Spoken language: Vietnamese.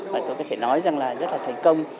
mà tôi có thể nói rằng là rất là thành công